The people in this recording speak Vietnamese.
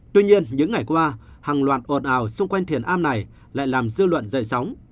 tuy nhiên những ngày qua hàng loạt ồn ào xung quanh thiền a này lại làm dư luận dậy sóng